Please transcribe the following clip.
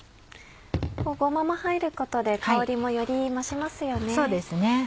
ごまも入ることで香りもより増しますよね。